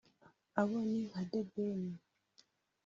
abo ni nka The Ben